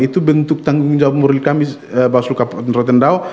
itu bentuk tanggung jawab murid kami bapak seluka kapal terotendau